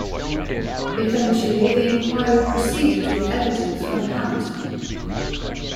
Eventually the inquiry proceeded with evidence from Hampton.